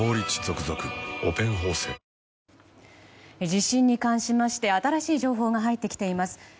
地震に関しまして新しい情報が入ってきています。